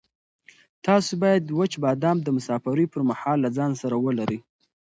تاسو باید وچ بادام د مسافرۍ پر مهال له ځان سره ولرئ.